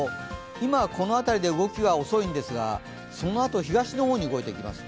今はこの辺りで動きが遅いんですが、そのあと東の方に動いていきます。